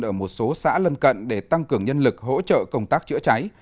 ở một số xã lân cận để tăng cường nhân lực hỗ trợ công tác chữa cháy